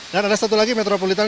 dan ada satu lagi metropolitan